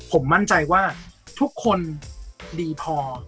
ผมมั่นใจว่าทุกคนดีพอ